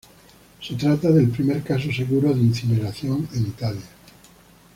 Se trata del primer caso seguro de incineración en Italia.